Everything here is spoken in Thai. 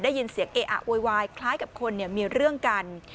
ได้ยินเสียงเออะโวยวายคล้ายกับคนมีเรื่องกัน